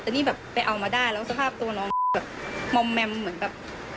แต่นี่แบบไปเอามาได้แล้วสภาพตัวน้องแบบมอมแมมเหมือนแบบ